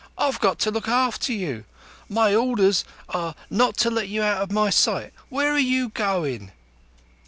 "I've got to look after you. My orders are not to let you out of my sight. Where are you goin'?"